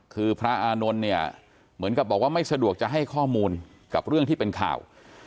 คือพระอานนท์เนี่ยเหมือนกับบอกว่าไม่สะดวกจะให้ข้อมูลกับเรื่องที่เป็นข่าว